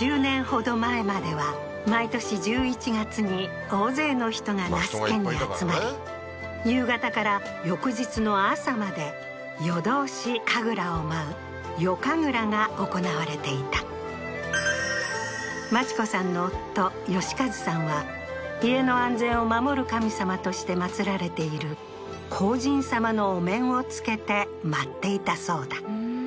２０年ほど前までは毎年１１月に大勢の人が那須家に集まり夕方から翌日の朝まで夜通し神楽を舞う夜神楽が行われていたマチ子さんの夫芳一さんは家の安全を守る神様として祭られている荒神様のお面を着けて舞っていたそうだふーん